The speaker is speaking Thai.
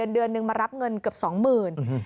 เดือนนึงมารับเงินเกือบ๒๐๐๐บาท